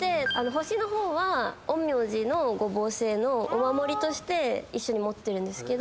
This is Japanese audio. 星の方は陰陽師の五芒星のお守りとして一緒に持ってるんですけど。